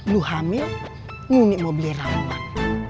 lu hamil nunik mau beli ramuan